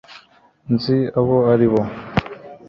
nzi abo ari bo